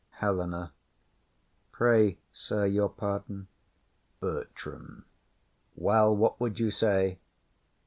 HELENA. Pray, sir, your pardon. BERTRAM. Well, what would you say?